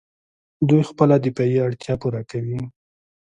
دوی خپله دفاعي اړتیا پوره کوي.